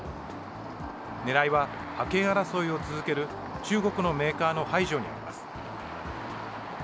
ねらいは覇権争いを続ける中国のメーカーの排除にあります。